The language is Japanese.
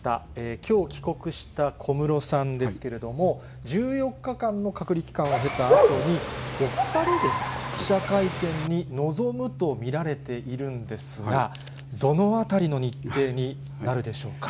きょう帰国した小室さんですけれども、１４日間の隔離期間を経たあとに、お２人で記者会見に臨むと見られているんですが、どのあたりの日程になるでしょうか。